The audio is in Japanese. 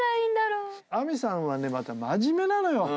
明未さんはまた真面目なのよ。